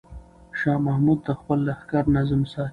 شاه محمود د خپل لښکر نظم ساتي.